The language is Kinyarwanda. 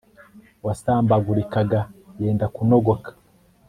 uwasambagurikaga yenda kunogoka